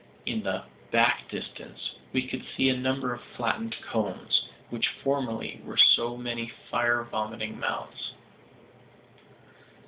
In the "back distance" we could see a number of flattened cones, which formerly were so many fire vomiting mouths.